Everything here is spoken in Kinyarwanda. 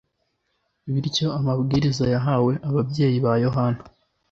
Bityo amabwiriza yahawe ababyeyi ba Yohana,-